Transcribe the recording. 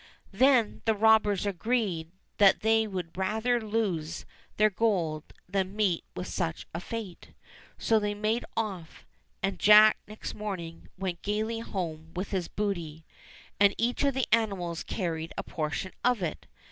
Then the robbers agreed that they would rather lose their gold than meet with such a fate ; so they made off, and Jack next morning went gaily home with his booty. And each of the animals carried a portion of it.